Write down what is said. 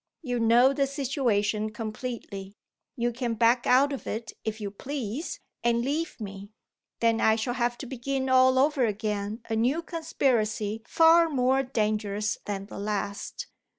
You know the situation completely. You can back out of it if you please, and leave me. Then I shall have to begin all over again a new conspiracy far more dangerous than the last.